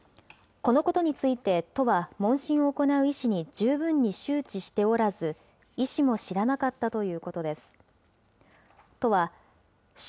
このことについて、都は問診を行う医師に十分に周知しておらず、医師も知らなかったということです。